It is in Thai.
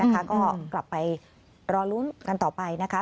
ก็กลับไปรอลุ้นกันต่อไปนะคะ